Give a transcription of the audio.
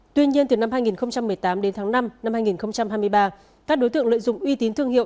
tuy nhiên từ năm hai nghìn một mươi tám đến tháng năm năm hai nghìn hai mươi ba các đối tượng lợi dụng uy tín thương hiệu